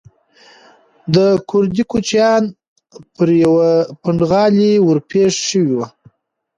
د کوردي کوچیانو پر یوه پنډغالي ورپېښ شوی و.